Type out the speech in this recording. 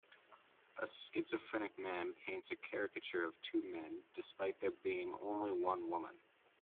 A schizophrenic man paints a caricature of two men despite there being only one woman.